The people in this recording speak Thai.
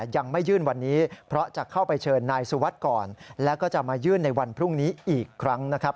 ยังไม่ยื่นวันนี้เพราะจะเข้าไปเชิญนายสุวัสดิ์ก่อนแล้วก็จะมายื่นในวันพรุ่งนี้อีกครั้งนะครับ